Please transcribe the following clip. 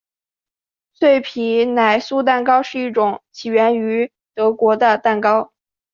脆皮奶酥蛋糕是一种起源于德国的蛋糕。